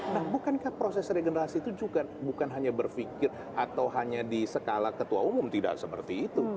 nah bukankah proses regenerasi itu juga bukan hanya berpikir atau hanya di skala ketua umum tidak seperti itu